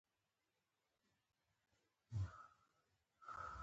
د ملا د ډیسک لپاره باید څه وکړم؟